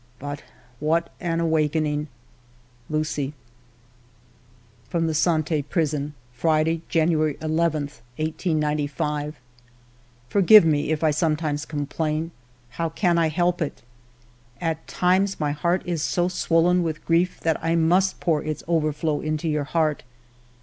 But what an awakening ! Lucie." From the Sante Prison ;— "Friday, January ii, 1895. " Forgive me if I sometimes complain. How can I help it ? At times my heart is so swollen with grief that I must pour its overflow into your heart.